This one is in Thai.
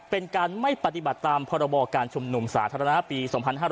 เป็นการไม่ปฏิบัติตามพรบการชุมนุมสาธารณะปี๒๕๕๙